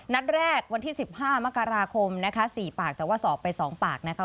นัดแรกวันที่สิบห้ามกราคมนะคะสี่ปากแต่ว่าสอบไปสองปากนะคะ